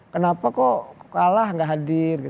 kenapa kok kalah gak hadir